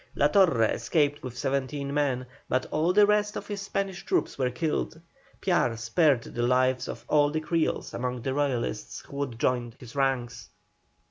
La Torre escaped with seventeen men, but all the rest of his Spanish troops were killed. Piar spared the lives of all the Creoles among the Royalists who would join his ranks.